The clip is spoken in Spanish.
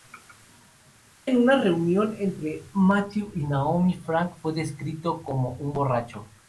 En una reunión entre Matthew y Naomi, Frank fue descrito como "un borracho".